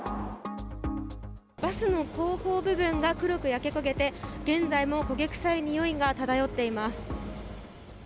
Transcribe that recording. バスの後方部分が黒く焼け焦げて、現在も焦げ臭いにおいが漂っています。